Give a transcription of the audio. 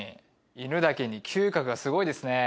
犬だけに嗅覚がすごいですね